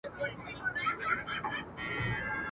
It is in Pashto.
ورځ په خلوت کي تېروي چي تیاره وغوړېږي.